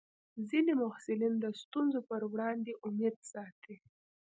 ځینې محصلین د ستونزو پر وړاندې امید ساتي.